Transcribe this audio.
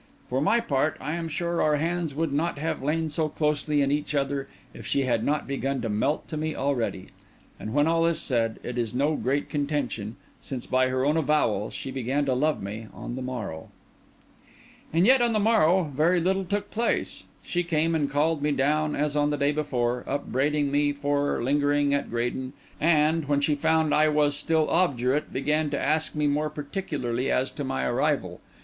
For my part, I am sure our hands would not have lain so closely in each other if she had not begun to melt to me already. And, when all is said, it is no great contention, since, by her own avowal, she began to love me on the morrow. And yet on the morrow very little took place. She came and called me down as on the day before, upbraided me for lingering at Graden, and, when she found I was still obdurate, began to ask me more particularly as to my arrival.